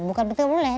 bukan betul boleh